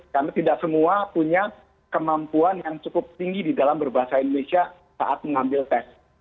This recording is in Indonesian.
karena tidak semua punya kemampuan yang cukup tinggi di dalam berbahasa indonesia saat mengambil tes